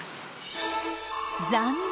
残念！